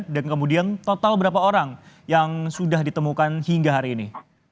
dan kemudian total berapa orang yang sudah ditemukan hingga hari ini